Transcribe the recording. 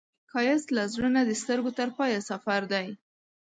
ښایست له زړه نه د سترګو تر پایه سفر دی